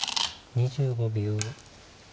２５秒。